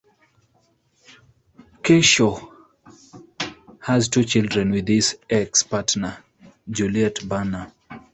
Kershaw has two children with his ex-partner, Juliette Banner.